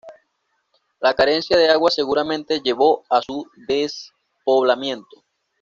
La carencia de agua seguramente llevó a su despoblamiento.